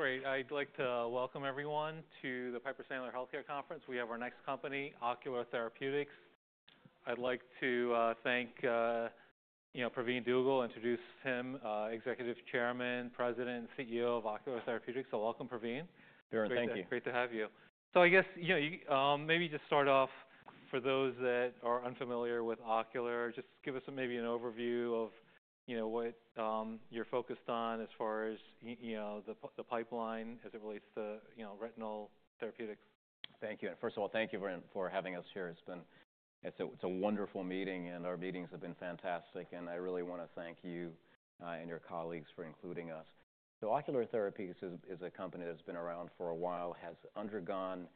Great. I'd like to welcome everyone to the Piper Sandler healthcare conference. We have our next company, Ocular Therapeutix. I'd like to thank, you know, Pravin Dugel, introduce him, Executive Chairman, President, and CEO of Ocular Therapeutix, so welcome, Pravin. Very, thank you. Great to have you. So I guess, you know, you, maybe just start off, for those that are unfamiliar with Ocular, just give us maybe an overview of, you know, what, you're focused on as far as, you know, the pipeline as it relates to, you know, retinal therapeutics. Thank you. First of all, thank you for having us here. It's been a wonderful meeting, and our meetings have been fantastic. I really want to thank you and your colleagues for including us. Ocular Therapeutix is a company that's been around for a while and has undergone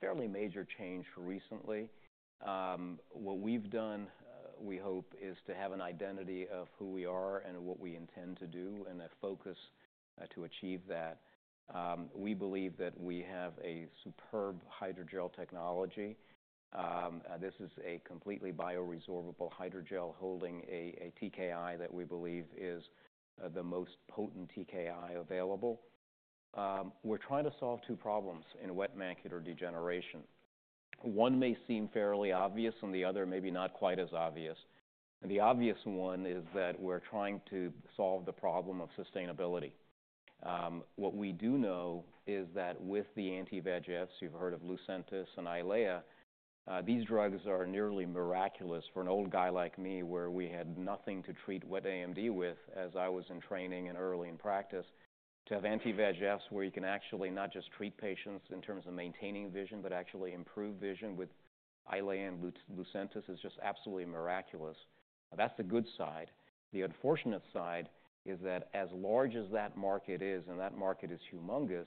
fairly major change recently. What we've done, we hope, is to have an identity of who we are and what we intend to do and a focus to achieve that. We believe that we have a superb hydrogel technology. This is a completely bioresorbable hydrogel holding a TKI that we believe is the most potent TKI available. We're trying to solve two problems in wet macular degeneration. One may seem fairly obvious, and the other may be not quite as obvious. And the obvious one is that we're trying to solve the problem of sustainability. What we do know is that with the anti-VEGFs, you've heard of Lucentis and Eylea, these drugs are nearly miraculous for an old guy like me where we had nothing to treat wet AMD with as I was in training and early in practice. To have anti-VEGFs where you can actually not just treat patients in terms of maintaining vision but actually improve vision with Eylea and Lucentis is just absolutely miraculous. That's the good side. The unfortunate side is that as large as that market is, and that market is humongous,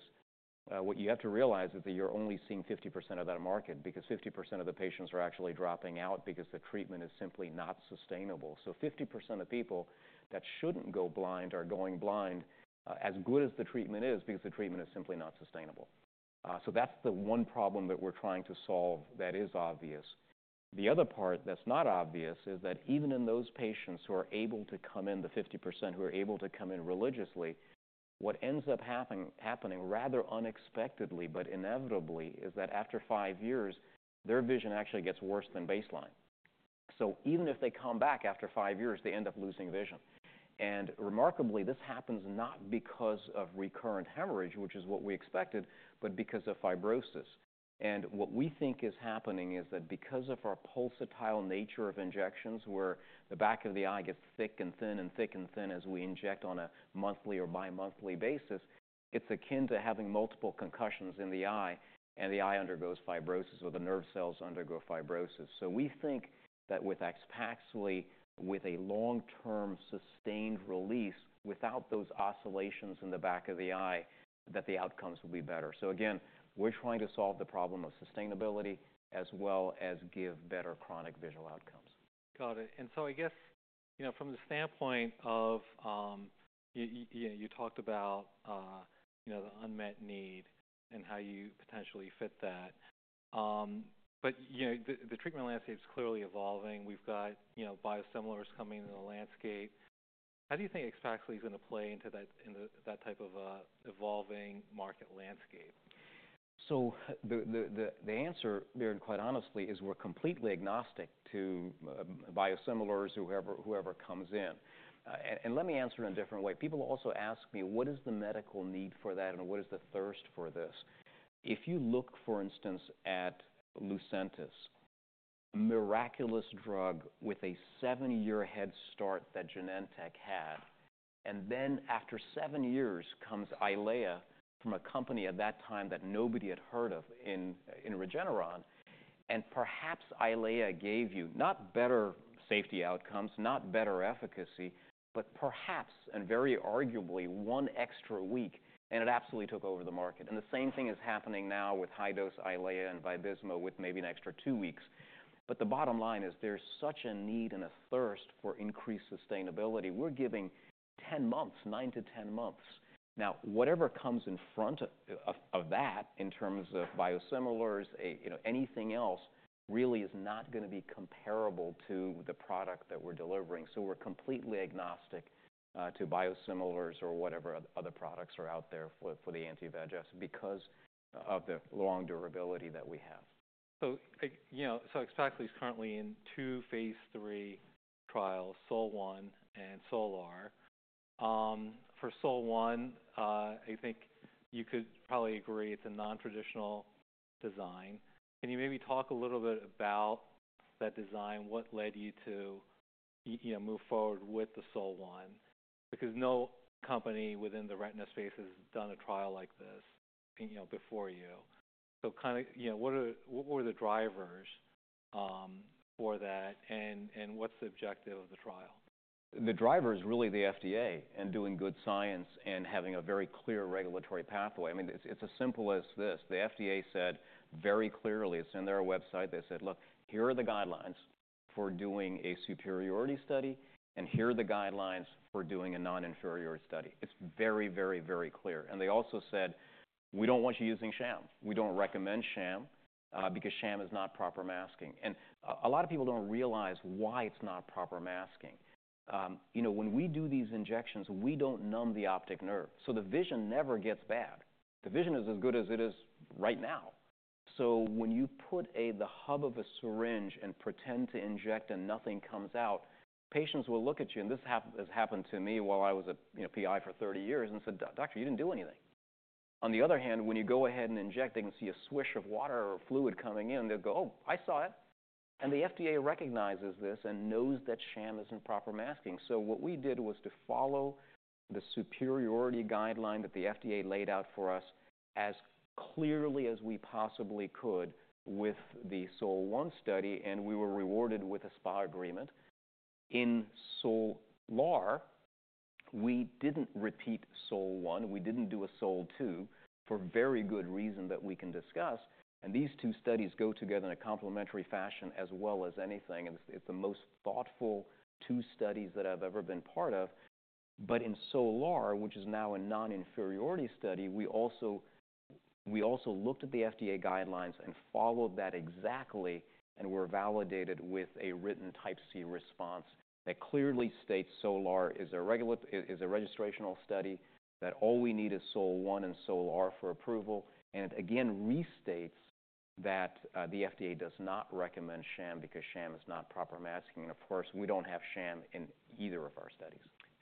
what you have to realize is that you're only seeing 50% of that market because 50% of the patients are actually dropping out because the treatment is simply not sustainable. So 50% of people that shouldn't go blind are going blind, as good as the treatment is, because the treatment is simply not sustainable. So that's the one problem that we're trying to solve that is obvious. The other part that's not obvious is that even in those patients who are able to come in, the 50% who are able to come in religiously, what ends up happening, happening rather unexpectedly but inevitably is that after five years, their vision actually gets worse than baseline. So even if they come back after five years, they end up losing vision. And remarkably, this happens not because of recurrent hemorrhage, which is what we expected, but because of fibrosis. And what we think is happening is that because of our pulsatile nature of injections where the back of the eye gets thick and thin and thick and thin as we inject on a monthly or bi-monthly basis, it's akin to having multiple concussions in the eye, and the eye undergoes fibrosis or the nerve cells undergo fibrosis. So we think that with AXPAXLI, with a long-term sustained release without those oscillations in the back of the eye, that the outcomes will be better. So again, we're trying to solve the problem of sustainability as well as give better chronic visual outcomes. Got it. And so I guess, you know, from the standpoint of, you know, you talked about, you know, the unmet need and how you potentially fit that. But, you know, the treatment landscape's clearly evolving. We've got, you know, biosimilars coming into the landscape. How do you think AXPAXLI's gonna play into that, into that type of evolving market landscape? So the answer, Biren, quite honestly, is we're completely agnostic to biosimilars or whoever comes in. And let me answer in a different way. People also ask me, what is the medical need for that, and what is the thirst for this? If you look, for instance, at Lucentis, a miraculous drug with a seven-year head start that Genentech had, and then after seven years comes Eylea from Regeneron, a company at that time that nobody had heard of. And perhaps Eylea gave you not better safety outcomes, not better efficacy, but perhaps, and very arguably, one extra week, and it absolutely took over the market. And the same thing is happening now with high-dose Eylea and Vabysmo with maybe an extra two weeks. But the bottom line is there's such a need and a thirst for increased sustainability. We're giving 10 months, nine to 10 months. Now, whatever comes in front of that in terms of biosimilars, you know, anything else really is not gonna be comparable to the product that we're delivering. So we're completely agnostic to biosimilars or whatever other products are out there for the anti-VEGFs because of the long durability that we have. You know, so AXPAXLI's currently in two phase III trials, SOL-1 and SOL-R. For SOL-1, I think you could probably agree it's a non-traditional design. Can you maybe talk a little bit about that design? What led you to, you know, move forward with the SOL-1? Because no company within the retina space has done a trial like this, you know, before you. So kind of, you know, what are, what were the drivers for that, and what's the objective of the trial? The driver's really the FDA and doing good science and having a very clear regulatory pathway. I mean, it's as simple as this. The FDA said very clearly, it's in their website, they said, "Look, here are the guidelines for doing a superiority study, and here are the guidelines for doing a non-inferiority study." It's very, very, very clear. And they also said, "We don't want you using sham. We don't recommend sham, because sham is not proper masking." And a lot of people don't realize why it's not proper masking. You know, when we do these injections, we don't numb the optic nerve. So the vision never gets bad. The vision is as good as it is right now. So when you put the hub of a syringe and pretend to inject and nothing comes out, patients will look at you, and this happened, has happened to me while I was, you know, PI for 30 years and said, "Doctor, you didn't do anything." On the other hand, when you go ahead and inject, they can see a swish of water or fluid coming in, they'll go, "Oh, I saw it." And the FDA recognizes this and knows that sham isn't proper masking. So what we did was to follow the superiority guideline that the FDA laid out for us as clearly as we possibly could with the SOL-1 study, and we were rewarded with a SPA agreement. In SOL-R, we didn't repeat SOL-1. We didn't do a SOL-2 for very good reason that we can discuss. These two studies go together in a complementary fashion as well as anything. It's the most thoughtful two studies that I've ever been part of. But in SOL-R, which is now a non-inferiority study, we also looked at the FDA guidelines and followed that exactly and were validated with a written Type C response that clearly states SOL-R is a registrational study, that all we need is SOL-1 and SOL-R for approval. It again restates that the FDA does not recommend sham because sham is not proper masking. Of course, we don't have sham in either of our studies.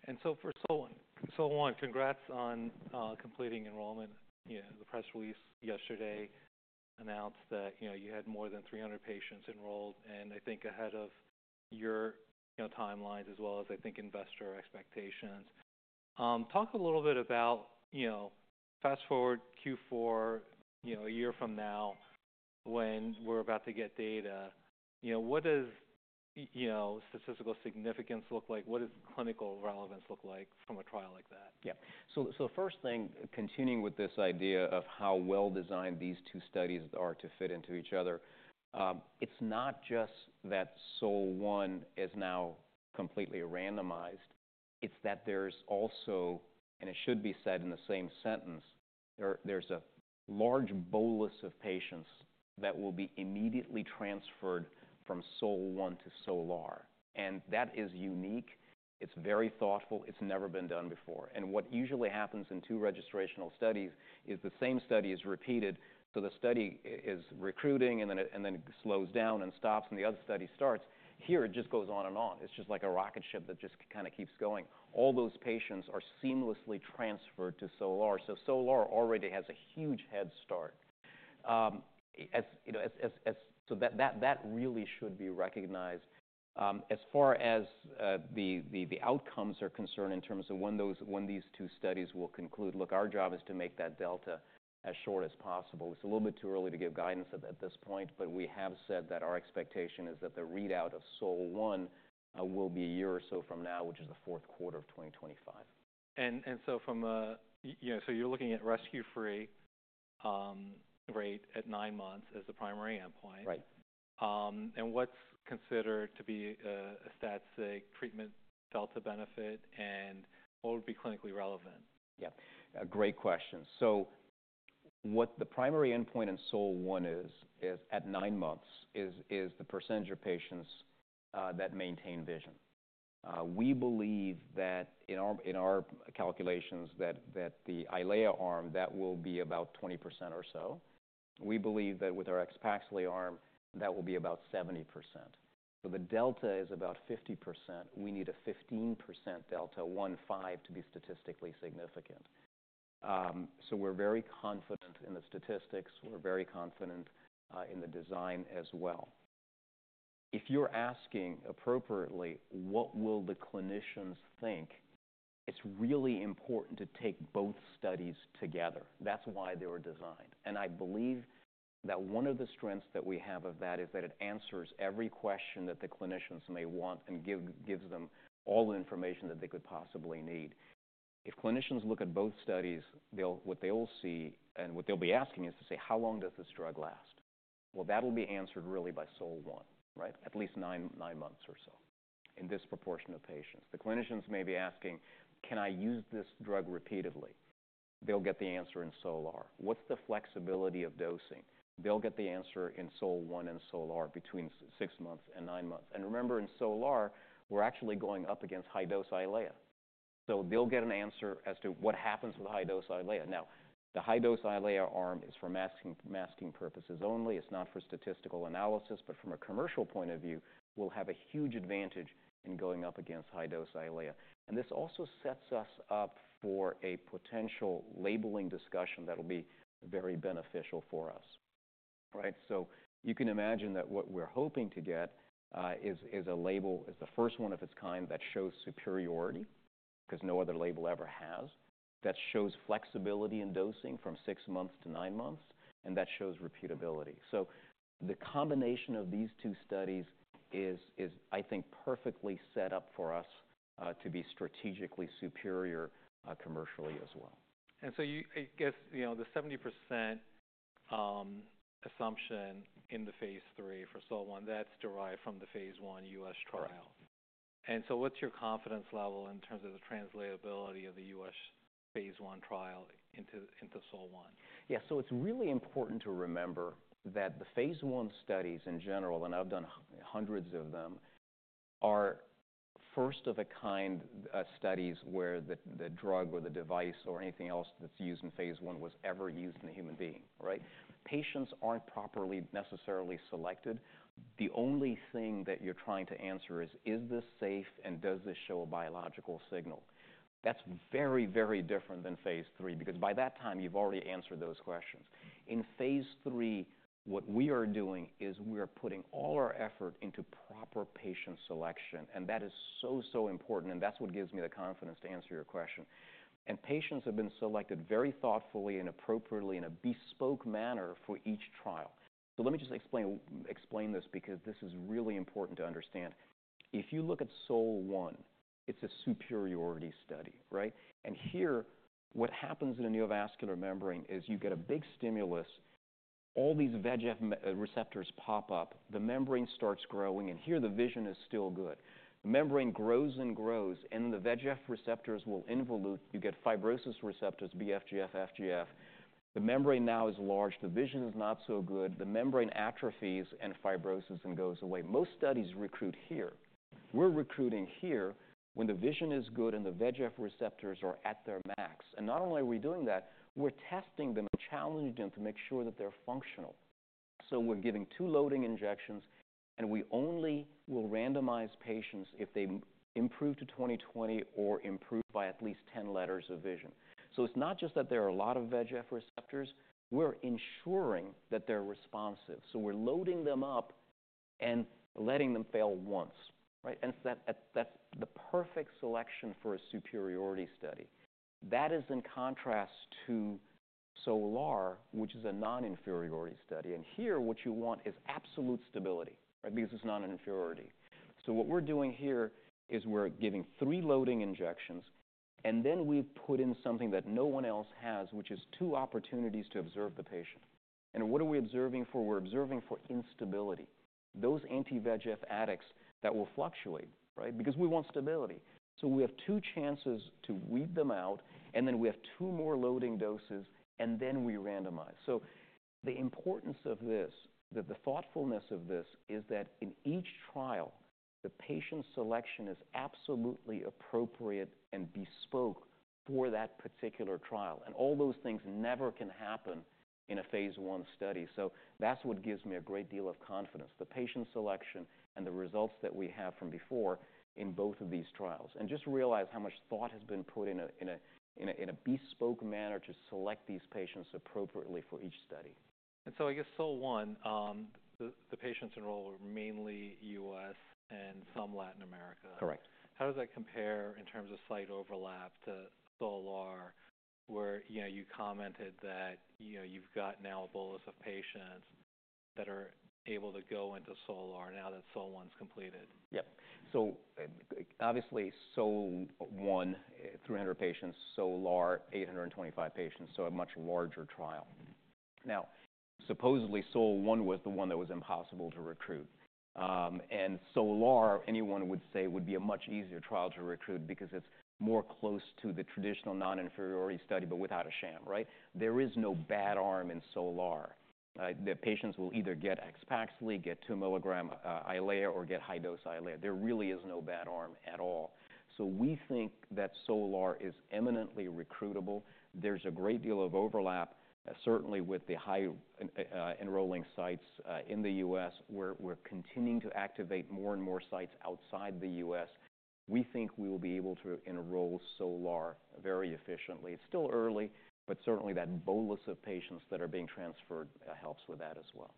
And so for SOL-1, congrats on completing enrollment. You know, the press release yesterday announced that, you know, you had more than 300 patients enrolled, and I think ahead of your, you know, timelines as well as I think investor expectations. Talk a little bit about, you know, fast forward Q4, you know, a year from now when we're about to get data. You know, what does, you know, statistical significance look like? What does clinical relevance look like from a trial like that? Yeah. So the first thing, continuing with this idea of how well-designed these two studies are to fit into each other, it's not just that SOL-1 is now completely randomized. It's that there's also, and it should be said in the same sentence, there's a large bolus of patients that will be immediately transferred from SOL-1 to SOL-R. And that is unique. It's very thoughtful. It's never been done before. And what usually happens in two registrational studies is the same study is repeated. So the study is recruiting, and then it slows down and stops, and the other study starts. Here, it just goes on and on. It's just like a rocket ship that just kinda keeps going. All those patients are seamlessly transferred to SOL-R. So SOL-R already has a huge head start. As you know, so that really should be recognized. As far as the outcomes are concerned in terms of when these two studies will conclude, look, our job is to make that delta as short as possible. It's a little bit too early to give guidance at this point, but we have said that our expectation is that the readout of SOL-1 will be a year or so from now, which is the fourth quarter of 2025. So from a, you know, so you're looking at rescue-free rate at nine months as the primary endpoint. Right. and what's considered to be a statistically significant treatment delta benefit, and what would be clinically relevant? Yeah. A great question. So what the primary endpoint in SOL-1 is at nine months is the percentage of patients that maintain vision. We believe that in our calculations that the Eylea arm that will be about 20% or so. We believe that with our AXPAXLI arm that will be about 70%. So the delta is about 50%. We need a 15% delta, 1.5, to be statistically significant. So we're very confident in the statistics. We're very confident in the design as well. If you're asking appropriately, what will the clinicians think? It's really important to take both studies together. That's why they were designed. And I believe that one of the strengths that we have of that is that it answers every question that the clinicians may want and gives them all the information that they could possibly need. If clinicians look at both studies, they'll, what they'll see and what they'll be asking is to say, "How long does this drug last?" Well, that'll be answered really by SOL-1, right? At least nine, nine months or so in this proportion of patients. The clinicians may be asking, "Can I use this drug repeatedly?" They'll get the answer in SOL-R. "What's the flexibility of dosing?" They'll get the answer in SOL-1 and SOL-R between six months and nine months. And remember, in SOL-R, we're actually going up against high-dose Eylea. So they'll get an answer as to what happens with high-dose Eylea. Now, the high-dose Eylea arm is for masking purposes only. It's not for statistical analysis, but from a commercial point of view, we'll have a huge advantage in going up against high-dose Eylea. This also sets us up for a potential labeling discussion that'll be very beneficial for us, right? You can imagine that what we're hoping to get is a label as the first one of its kind that shows superiority 'cause no other label ever has, that shows flexibility in dosing from six months to nine months, and that shows repeatability. The combination of these two studies is, I think, perfectly set up for us to be strategically superior, commercially as well. And so you, I guess, you know, the 70% assumption in the phase three for SOL-1. That's derived from the phase one U.S. trial. Right. What's your confidence level in terms of the translatability of the U.S. phase one trial into SOL-1? Yeah. It's really important to remember that the phase one studies in general, and I've done hundreds of them, are first of a kind, studies where the drug or the device or anything else that's used in phase one was ever used in a human being, right? Patients aren't properly necessarily selected. The only thing that you're trying to answer is, "Is this safe? And does this show a biological signal?" That's very, very different than phase three because by that time, you've already answered those questions. In phase three, what we are doing is we are putting all our effort into proper patient selection, and that is so, so important, and that's what gives me the confidence to answer your question. Patients have been selected very thoughtfully and appropriately in a bespoke manner for each trial. Let me just explain this because this is really important to understand. If you look at SOL-1, it's a superiority study, right? And here, what happens in a neovascular membrane is you get a big stimulus. All these VEGF receptors pop up. The membrane starts growing, and here the vision is still good. The membrane grows and grows, and the VEGF receptors will involute. You get fibrosis receptors, bFGF, FGF. The membrane now is large. The vision is not so good. The membrane atrophies and fibroses and goes away. Most studies recruit here. We're recruiting here when the vision is good and the VEGF receptors are at their max. And not only are we doing that, we're testing them and challenging them to make sure that they're functional. We're giving two loading injections, and we only will randomize patients if they improve to 20/20 or improve by at least 10 letters of vision. So it's not just that there are a lot of VEGF receptors. We're ensuring that they're responsive. So we're loading them up and letting them fail once, right? And that, that's the perfect selection for a superiority study. That is in contrast to SOL-R, which is a non-inferiority study. And here, what you want is absolute stability, right? Because it's not an inferiority. So what we're doing here is we're giving three loading injections, and then we've put in something that no one else has, which is two opportunities to observe the patient. And what are we observing for? We're observing for instability. Those anti-VEGF addicts that will fluctuate, right? Because we want stability. So we have two chances to weed them out, and then we have two more loading doses, and then we randomize. So the importance of this, the thoughtfulness of this is that in each trial, the patient selection is absolutely appropriate and bespoke for that particular trial. And all those things never can happen in a phase one study. So that's what gives me a great deal of confidence, the patient selection and the results that we have from before in both of these trials. And just realize how much thought has been put in a bespoke manner to select these patients appropriately for each study. And so I guess SOL-1, the patients enrolled were mainly U.S. and some Latin America. Correct. How does that compare in terms of site overlap to SOL-R where, you know, you commented that, you know, you've got now a bolus of patients that are able to go into SOL-R now that SOL-1's completed? Yep. So obviously, SOL-1, 300 patients, SOL-R, 825 patients. So a much larger trial. Now, supposedly, SOL-1 was the one that was impossible to recruit, and SOL-R, anyone would say, would be a much easier trial to recruit because it's more close to the traditional non-inferiority study, but without a sham, right? There is no bad arm in SOL-R, right? The patients will either get AXPAXLI, get 2 milligram, Eylea, or get high-dose Eylea. There really is no bad arm at all. So we think that SOL-R is eminently recruitable. There's a great deal of overlap, certainly with the high, enrolling sites, in the U.S. We're continuing to activate more and more sites outside the U.S. We think we will be able to enroll SOL-R very efficiently. It's still early, but certainly that bolus of patients that are being transferred helps with that as well.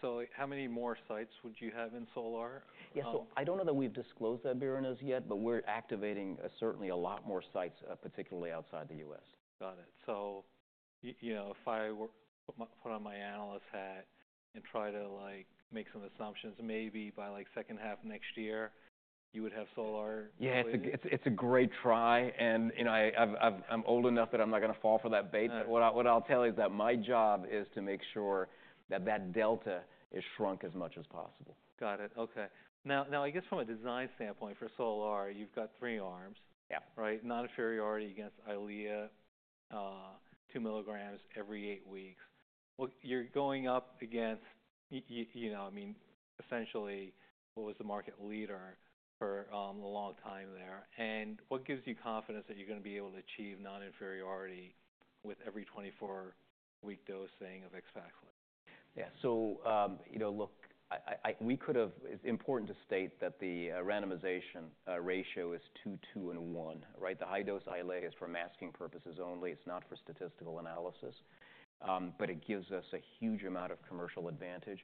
So how many more sites would you have in SOL-R? Yeah. So I don't know that we've disclosed that here in the U.S. yet, but we're activating certainly a lot more sites, particularly outside the U.S. Got it. So, you know, if I were to put on my analyst hat and try to, like, make some assumptions, maybe by, like, second half next year, you would have SOL-R? Yeah. It's a great try, and you know, I'm old enough that I'm not gonna fall for that bait. But what I'll tell you is that my job is to make sure that that delta is shrunk as much as possible. Got it. Okay. Now, I guess from a design standpoint for SOL-R, you've got three arms. Yeah. Right? Non-inferiority against Eylea, two milligrams every eight weeks. Well, you're going up against you know, I mean, essentially what was the market leader for a long time there. And what gives you confidence that you're gonna be able to achieve non-inferiority with every 24-week dosing of AXPAXLI? Yeah. So, you know, look, we could have. It's important to state that the randomization ratio is two, two, and one, right? The high-dose Eylea is for masking purposes only. It's not for statistical analysis. But it gives us a huge amount of commercial advantage.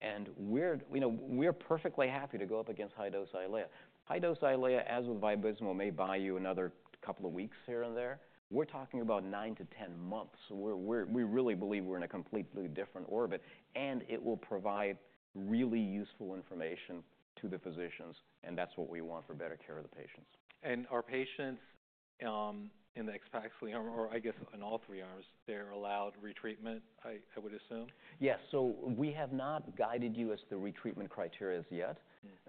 And we're, you know, perfectly happy to go up against high-dose Eylea. High-dose Eylea, as with Vabysmo, may buy you another couple of weeks here and there. We're talking about nine to 10 months. So we're, we really believe we're in a completely different orbit, and it will provide really useful information to the physicians, and that's what we want for better care of the patients. Are patients, in the AXPAXLI arm, or I guess in all three arms, they're allowed retreatment? I would assume? Yes. So we have not guided you as the retreatment criteria as yet.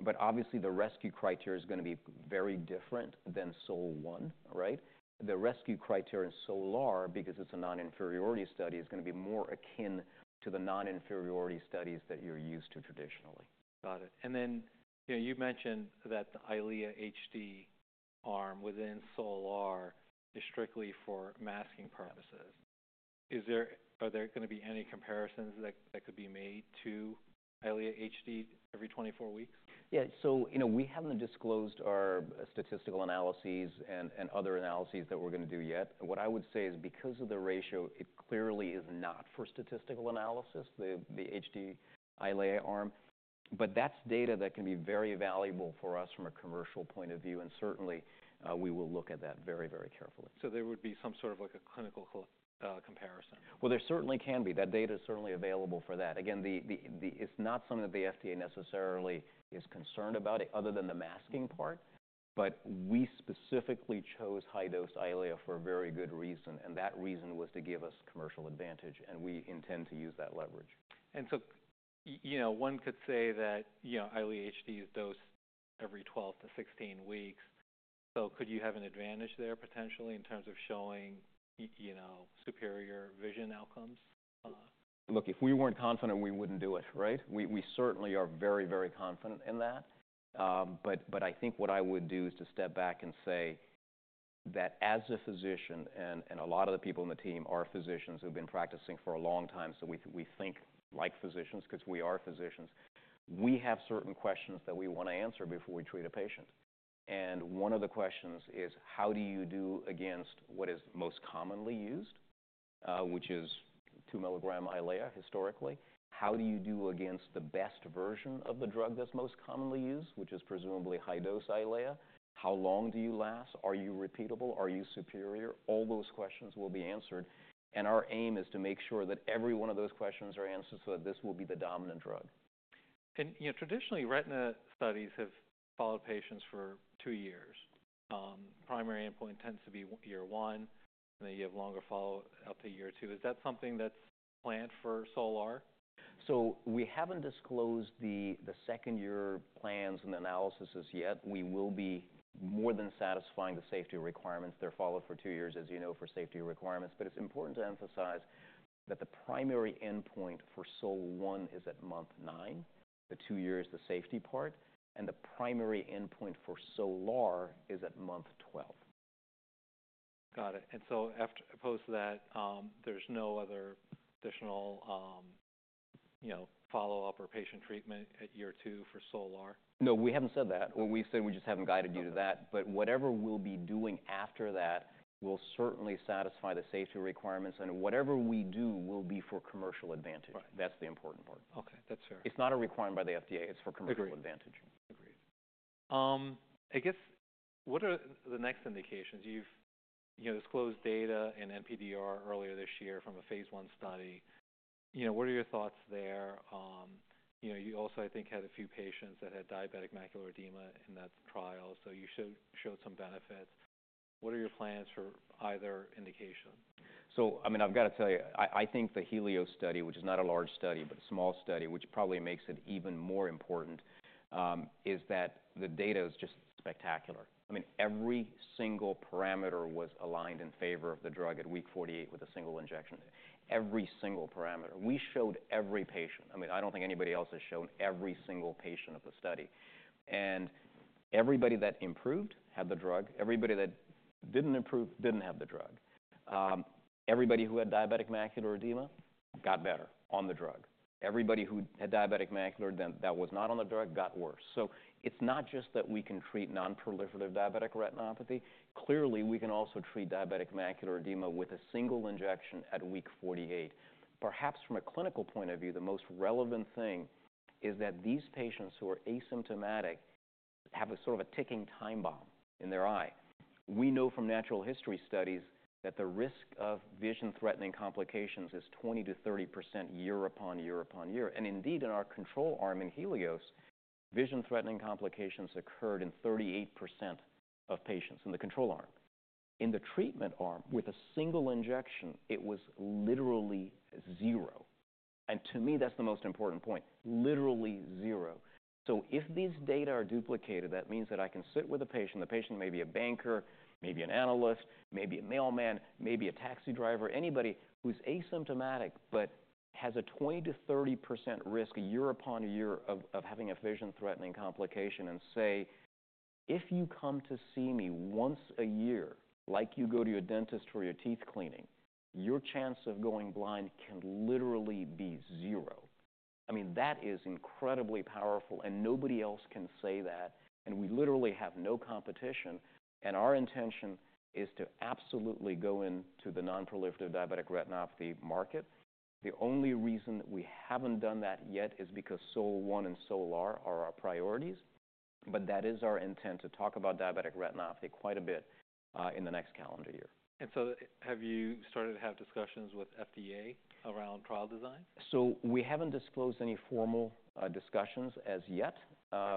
But obviously, the rescue criteria is gonna be very different than SOL-1, right? The rescue criteria in SOL-R, because it's a non-inferiority study, is gonna be more akin to the non-inferiority studies that you're used to traditionally. Got it. And then, you know, you mentioned that the Eylea HD arm within SOL-R is strictly for masking purposes. Is there gonna be any comparisons that could be made to Eylea HD every 24 weeks? Yeah. So, you know, we haven't disclosed our statistical analyses and other analyses that we're gonna do yet. What I would say is because of the ratio, it clearly is not for statistical analysis, the HD Eylea arm. But that's data that can be very valuable for us from a commercial point of view. And certainly, we will look at that very, very carefully. So there would be some sort of like a clinical comparison? There certainly can be. That data is certainly available for that. Again, it's not something that the FDA necessarily is concerned about other than the masking part. We specifically chose high-dose Eylea for a very good reason. That reason was to give us commercial advantage, and we intend to use that leverage. And so, you know, one could say that, you know, Eylea HD is dosed every 12-16 weeks. So could you have an advantage there potentially in terms of showing, you know, superior vision outcomes? Look, if we weren't confident, we wouldn't do it, right? We certainly are very, very confident in that. But I think what I would do is to step back and say that as a physician, and a lot of the people in the team are physicians who've been practicing for a long time, so we think like physicians 'cause we are physicians. We have certain questions that we wanna answer before we treat a patient. And one of the questions is, how do you do against what is most commonly used, which is two milligram Eylea historically? How do you do against the best version of the drug that's most commonly used, which is presumably high-dose Eylea? How long do you last? Are you repeatable? Are you superior? All those questions will be answered. Our aim is to make sure that every one of those questions are answered so that this will be the dominant drug. You know, traditionally, retinal studies have followed patients for two years. Primary endpoint tends to be year one, and then you have longer follow-up up to year two. Is that something that's planned for SOL-R? We haven't disclosed the second year plans and analyses as yet. We will be more than satisfying the safety requirements. They're followed for two years, as you know, for safety requirements. But it's important to emphasize that the primary endpoint for SOL-1 is at month nine. The two years the safety part, and the primary endpoint for SOL-R is at month 12. Got it. And so after post that, there's no other additional, you know, follow-up or patient treatment at year two for SOL-R? No, we haven't said that, or we said we just haven't guided you to that, but whatever we'll be doing after that will certainly satisfy the safety requirements, and whatever we do will be for commercial advantage. Right. That's the important part. Okay. That's fair. It's not a requirement by the FDA. It's for commercial advantage. Agreed. Agreed. I guess what are the next indications? You've, you know, disclosed data in NPDR earlier this year from a phase one study. You know, what are your thoughts there? You know, you also, I think, had a few patients that had diabetic macular edema in that trial, so you showed some benefits. What are your plans for either indication? I mean, I've gotta tell you, I think the HELIOS study, which is not a large study but a small study, which probably makes it even more important, is that the data is just spectacular. I mean, every single parameter was aligned in favor of the drug at week 48 with a single injection. Every single parameter. We showed every patient. I mean, I don't think anybody else has shown every single patient of the study. And everybody that improved had the drug. Everybody that didn't improve didn't have the drug. Everybody who had diabetic macular edema got better on the drug. Everybody who had diabetic macular edema that was not on the drug got worse. It's not just that we can treat non-proliferative diabetic retinopathy. Clearly, we can also treat diabetic macular edema with a single injection at week 48. Perhaps from a clinical point of view, the most relevant thing is that these patients who are asymptomatic have a sort of a ticking time bomb in their eye. We know from natural history studies that the risk of vision-threatening complications is 20%-30% year upon year upon year. And indeed, in our control arm in HELIOS, vision-threatening complications occurred in 38% of patients in the control arm. In the treatment arm, with a single injection, it was literally zero. And to me, that's the most important point. Literally zero. So if these data are duplicated, that means that I can sit with a patient. The patient may be a banker, maybe an analyst, maybe a mailman, maybe a taxi driver, anybody who's asymptomatic but has a 20%-30% risk year upon year of having a vision-threatening complication and say, "If you come to see me once a year, like you go to your dentist for your teeth cleaning, your chance of going blind can literally be zero." I mean, that is incredibly powerful, and nobody else can say that. And we literally have no competition. And our intention is to absolutely go into the non-proliferative diabetic retinopathy market. The only reason we haven't done that yet is because SOL-1 and SOL-R are our priorities. But that is our intent to talk about diabetic retinopathy quite a bit, in the next calendar year. Have you started to have discussions with FDA around trial design? We haven't disclosed any formal discussions as yet.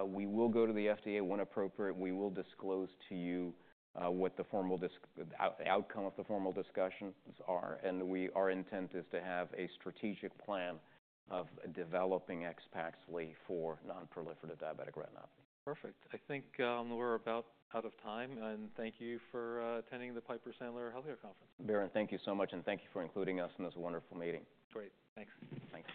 We will go to the FDA when appropriate. We will disclose to you what the formal discussion, the outcome of the formal discussions are. Our intent is to have a strategic plan of developing AXPAXLI for non-proliferative diabetic retinopathy. Perfect. I think, we're about out of time, and thank you for attending the Piper Sandler healthcare conference. Baron, thank you so much, and thank you for including us in this wonderful meeting. Great. Thanks. Thanks.